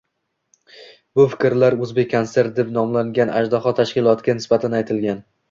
Bu fikrlar "o'zbekkonsert" deb nomlangan "ajdaho" tashkilotiga nisbatan aytilgan